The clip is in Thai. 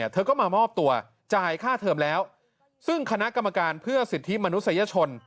เธอก็มามอบตัวจ่ายค่าเทอมแล้วซึ่งคณะกรรมการเพื่อสิทธิมนุษยชน